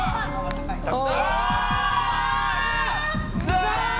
残念！